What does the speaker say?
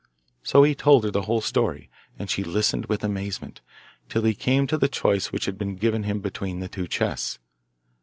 So he told her the whole story, and she listened with amazement, till he came to the choice which had been given him between the two chests.